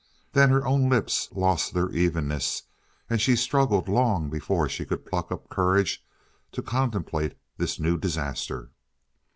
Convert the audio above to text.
Then her own lips lost their evenness, and she struggled long before she could pluck up courage to contemplate this new disaster.